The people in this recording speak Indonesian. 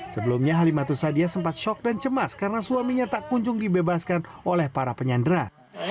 sebelumnya halimatu sadia sempat shock dan cemas karena suaminya tak kunjung dibebaskan oleh para penyandera